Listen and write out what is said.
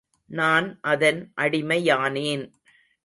நான் அதன் அடிமையானேன்.